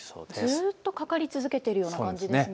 ずっとかかり続けているような感じですね。